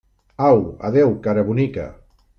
Au, adéu, cara bonica!